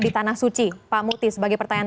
di tanah suci pak muti sebagai pertanyaan